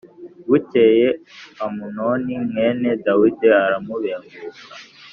Bukeye Amunoni mwene Dawidi aramubenguka.